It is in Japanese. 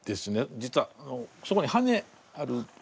実はそこに羽根あるでしょ。